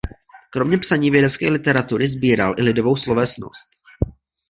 Kromě psaní vědecké literatury sbíral i lidovou slovesnost.